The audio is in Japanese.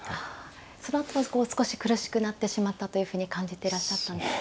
そのあとは少し苦しくなってしまったというふうに感じていらっしゃったんですね。